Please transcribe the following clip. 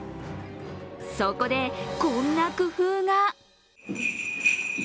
そこで、こんな工夫が。